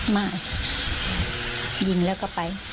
ไม่ยิงแล้วก็ไป